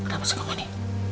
kenapa suka gini